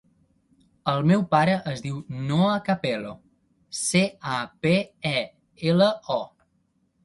El meu pare es diu Noah Capelo: ce, a, pe, e, ela, o.